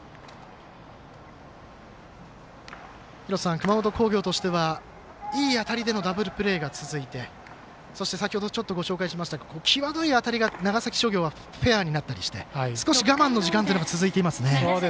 熊本工業としてはいい当たりでのダブルプレーが続いて、そして先ほどちょっとご紹介しました際どい当たりが長崎商業がフェアになったりして少し我慢の時間というのが続いていますね。